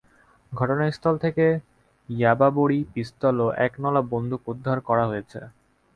ঘটনাস্থল থেকে ইয়াবা বড়ি, পিস্তল ও একনলা বন্দুক উদ্ধার করা হয়েছে।